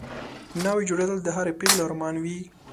ناوې جوړېدل د هرې پېغلې ارمان وي